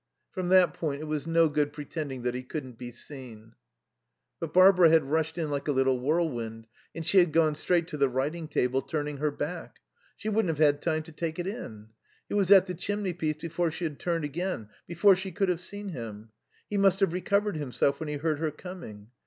From that point it was no good pretending that he couldn't be seen. But Barbara had rushed in like a little whirlwind, and she had gone straight to the writing table, turning her back. She wouldn't have had time to take it in. He was at the chimneypiece before she had turned again, before she could have seen him. He must have recovered himself when he heard her coming.